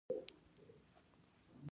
دا ولن تجد لسنة الله تبدیلا ده.